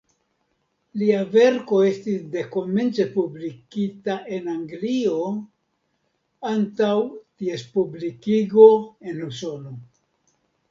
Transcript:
Lia verko estis dekomence publikita en Anglio antaŭ ties publikigo en Usono.